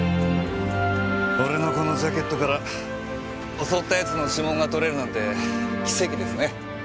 俺のこのジャケットから襲った奴の指紋が取れるなんて奇跡ですね。